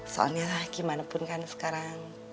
soalnya lah gimana pun kan sekarang